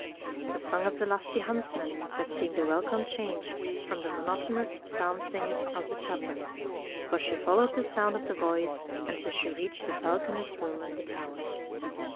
The song of the lusty huntsman must have seemed a wel come change from the monotonous psalm singing of the chaplain; for she followed the sound of the voice, until she reached the falconer's room in the tower.